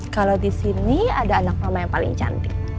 kalau disini ada anak mama yang paling cantik